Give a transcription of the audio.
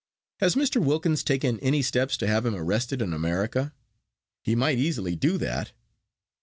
Has Mr. Wilkins taken any steps to have him arrested in America? He might easily do that."